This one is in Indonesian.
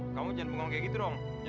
kamu denger ya